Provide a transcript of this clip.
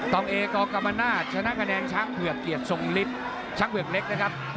องเอกอกรรมนาศชนะคะแนนช้างเผือกเกียรติทรงฤทธิ์ช้างเผือกเล็กนะครับ